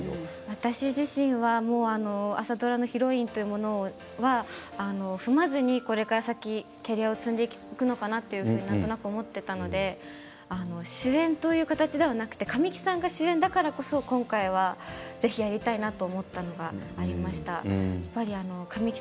私自身は朝ドラのヒロインというものは踏まずに、これから先経験を積んでいくのかなと思っていたので主演という形ではなくて神木さんが主演だからこそ今回は、ぜひやりたいなと思ったのがありました。